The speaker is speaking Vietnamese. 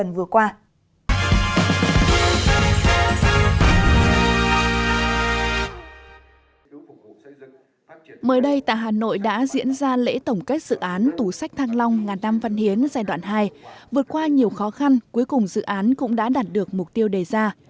vượt qua nhiều khó khăn cuối cùng dự án cũng đã đạt được mục tiêu đề ra